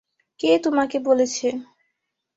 কে তোমাকে বলছে?